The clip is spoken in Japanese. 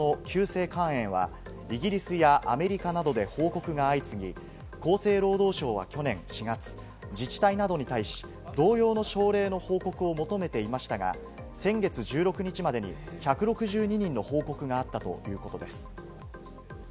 原因不明の子供の急性肝炎はイギリスやアメリカなどで報告が相次ぎ、厚生労働省は去年４月、自治体などに対し同様の症例の報告を求めていましたが、先月１６日までに１６２人の報告があったということです。